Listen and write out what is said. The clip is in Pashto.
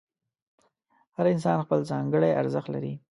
هر انسان خپل ځانګړی ارزښت لري.